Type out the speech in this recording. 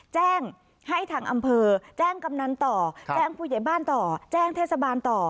แจ้งให้ทางอำเภอแจ้งกำนันต่อแจ้งผู้ใหญ่บ้านต่อแจ้งเทศบาลต่อ